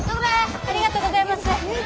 ありがとうございます。